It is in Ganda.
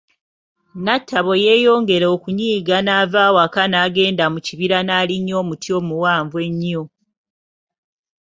Natabo yeyongera okunyiiga naava awaka n'agenda mu kibiira naalinnya omuti omuwanvu ennyo.